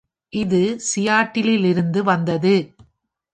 இது சியாட்டிலிலிருந்து வந்தது.